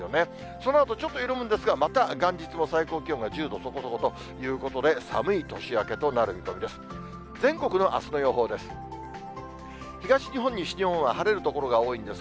そのあとちょっと緩むんですが、また元日も最高気温が１０度そこそこということで、寒い年明けとなる見込みです。